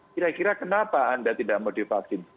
kira kira kenapa anda tidak mau divaksin